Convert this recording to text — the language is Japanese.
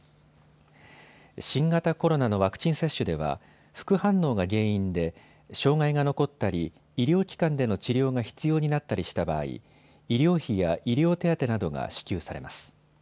新型コロナのワクチン接種では副反応が原因で障害が残ったり医療機関での治療が必要になったりした場合、医療費や医療手当などが支給されます。